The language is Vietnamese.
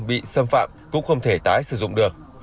bị xâm phạm cũng không thể tái sử dụng được